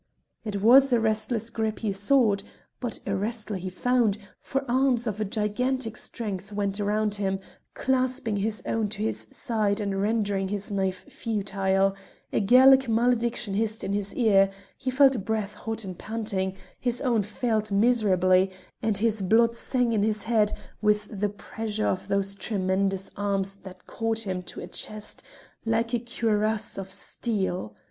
It was a wrestler's grip he sought, but a wrestler he found, for arms of a gigantic strength went round him, clasping his own to his side and rendering his knife futile; a Gaelic malediction hissed in his ear; he felt breath hot and panting; his own failed miserably, and his blood sang in his head with the pressure of those tremendous arms that caught him to a chest like a cuirass of steel.